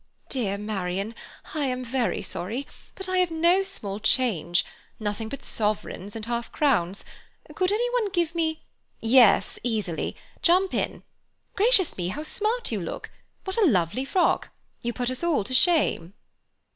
"Dear Marian, I am very sorry, but I have no small change—nothing but sovereigns and half crowns. Could any one give me—" "Yes, easily. Jump in. Gracious me, how smart you look! What a lovely frock! You put us all to shame."